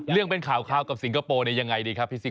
เรื่องเป็นข่าวกับสิงคโปร์เนี่ยยังไงดีครับพี่ซิ